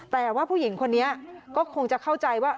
แต่ว่าผู้หญิงคนนี้ก็คงจะเข้าใจว่า